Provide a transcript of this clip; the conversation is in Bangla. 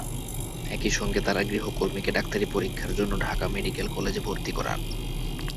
একই সঙ্গে তাঁরা গৃহকর্মীকে ডাক্তারি পরীক্ষার জন্য ঢাকা মেডিকেল কলেজে ভর্তি করান।